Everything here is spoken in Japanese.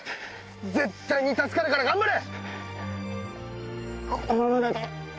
絶対に助かるから頑張れ！